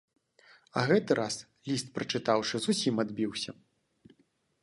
А гэты раз, ліст прачытаўшы, зусім адбіўся.